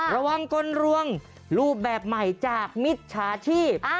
ระวังคนรวงรูปแบบใหม่จากมิตรชาชีพ